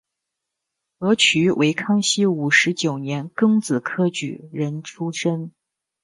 何衢为康熙五十九年庚子科举人出身。